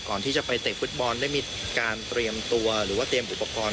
ก่อนที่จะไปเตะฟุตบอลได้มีการเตรียมตัวหรือว่าเตรียมอุปกรณ์